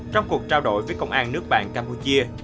trong cuộc trao đổi với công an nước bạn campuchia